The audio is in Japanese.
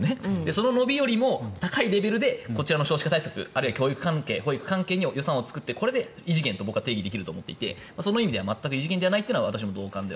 その伸びよりも高いレベルでこちらの少子化対策あるいは教育関係、保育関係に予算を作ってこれで異次元と僕は定義できると思っていてその意味では全く異次元ではないというのは私も同感。